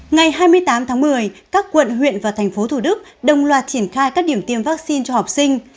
ngày hai mươi tám tháng một mươi các quận huyện và thành phố thủ đức đồng loạt triển khai các điểm tiêm vaccine cho học sinh